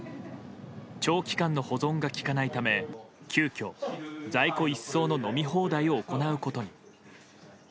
長期間の保存がきかないため急きょ、在庫一掃の飲み放題を行うことに。